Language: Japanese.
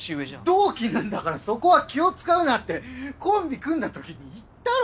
同期なんだからそこは気を遣うなってコンビ組んだときに言ったろ！